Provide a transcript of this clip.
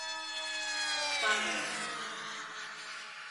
¡Fagan!